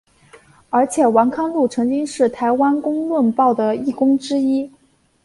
而且王康陆曾经是台湾公论报的义工之一。